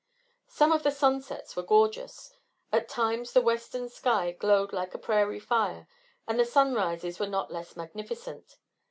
Some of the sunsets were gorgeous. At times, the western sky glowed like a prairie fire; and the sunrises were not less magnificent.